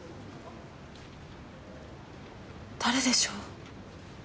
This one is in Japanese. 誰でしょう？